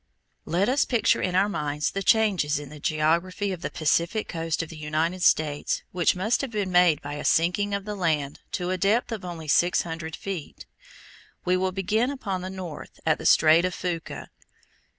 Let us picture in our minds the changes in the geography of the Pacific coast of the United States which must have been made by a sinking of the land to a depth of only six hundred feet. We will begin upon the north, at the Strait of Fuca.